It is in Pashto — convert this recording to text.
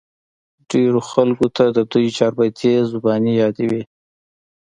ډېرو خلقو ته د دوي چاربېتې زباني يادې وې